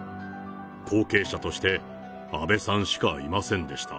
後継者として安倍さんしかいませんでした。